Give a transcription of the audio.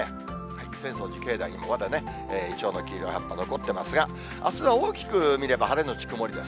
浅草寺、境内のほうにはまだね、イチョウの黄色い葉っぱ残ってますが、あすは大きく見れば晴れ後曇りです。